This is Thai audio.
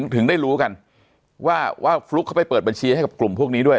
ถึงได้รู้กันว่าฟลุ๊กเขาไปเปิดบัญชีให้กับกลุ่มพวกนี้ด้วย